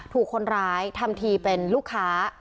ถูกคนร้ายทำทีเป็นลูกค้า